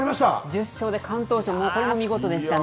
１０勝で敢闘賞、これも見事でしたね。